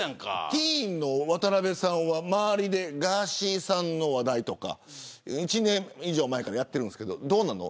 ティーンの渡邊さんは周りでガーシーさんの話題とか１年以上前からやってますがどうなの。